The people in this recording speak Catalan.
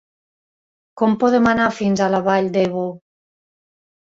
Com podem anar fins a la Vall d'Ebo?